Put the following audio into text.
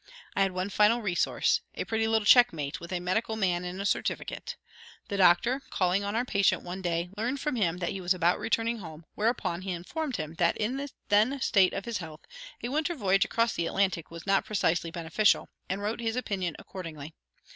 I had one final resource: a pretty little check mate with a medical man and a certificate. The doctor, calling on our patient one day, learned from him that he was about returning home, whereupon he informed him that in the then state of his health a winter voyage across the Atlantic was not precisely beneficial, and wrote his opinion accordingly.